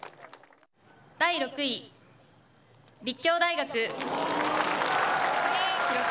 第６位、立教大学。